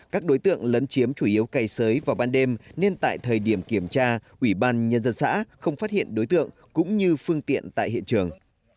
các đối tượng lấn chiếm chủ yếu cây sới vào ban đêm nên tại thời điểm kiểm tra ủy ban nhân dân xã không phát hiện đối tượng cũng như phương tiện tại hiện trường